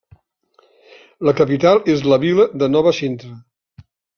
La capital és la vila de Nova Sintra.